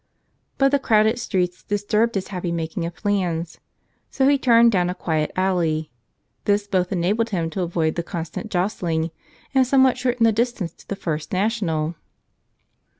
But the crowded streets disturbed his happy making of plans; so he turned down a quiet alley. This both enabled him to avoid the constant jostling and somewhat shortened the distance to the First National.